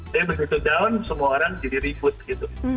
tapi begitu down semua orang jadi ribut gitu